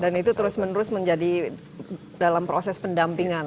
dan itu terus menerus menjadi dalam proses pendampingan